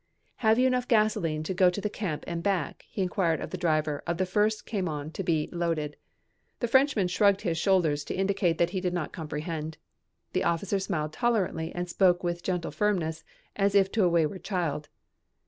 "Have you enough gasoline to go to the camp and back?" he inquired of the driver of the first camion to be loaded. The Frenchman shrugged his shoulders to indicate that he did not comprehend. The officer smiled tolerantly and spoke with gentle firmness as if to a wayward child.